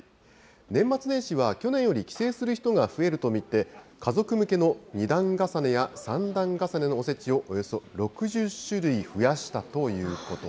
年末年始は去年より帰省する人が増えると見て、家族向けの２段重ねや３段重ねのおせちをおよそ６なるほど。